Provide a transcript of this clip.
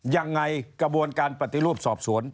ยังไงกระบวนการปฏิรูปสอบสวน